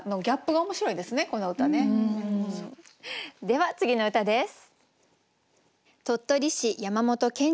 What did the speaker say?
では次の歌です。